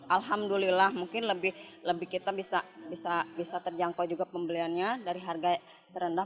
alhamdulillah mungkin lebih lebih kita bisa bisa bisa terjangkau juga pembeliannya dari harga terendah